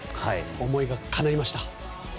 思いがかないました。